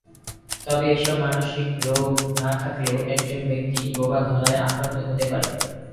তবে, এসব মানসিক রোগ না থাকলেও একজন ব্যক্তি বোবায় ধরা এ আক্রান্ত হতে পারে।